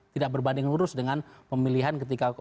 tidak berbanding lurus dengan pemilihan ketika